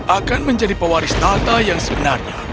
akan menjadi pewaris tata yang sebenarnya